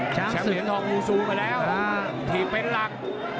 เช้าเหรียบทองวู้ซูไปแล้วถีบเป็นหลัก